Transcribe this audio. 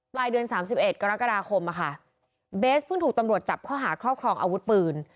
ปลายเดือนสามสิบเอ็ดกรกฎาคมอะค่ะเบสเพิ่งถูกตำรวจจับข้อหาครอบครองอาวุธปืน